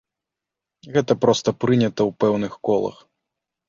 Гэта проста прынята ў пэўных колах.